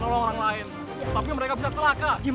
udah kenapa napa dia di dalam